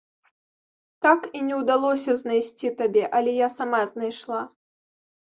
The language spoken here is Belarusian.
Так і не ўдалося знайсці табе, але я сама знайшла.